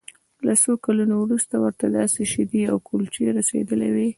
له څو کلونو وروسته ورته داسې شیدې او کلچې رسیدلې وې